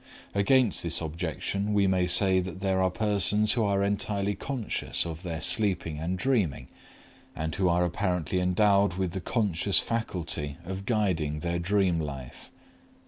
Against this objection we may say that there are persons who are entirely conscious of their sleeping and dreaming, and who are apparently endowed with the conscious faculty of guiding their dream life.